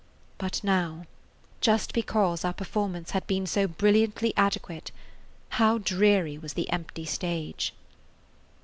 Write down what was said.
But now, just because our performance had been so brilliantly adequate, how dreary was the empty stage!